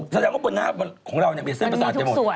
แสดงว่าบนหน้าของเรามีเส้นประสาทไปหมด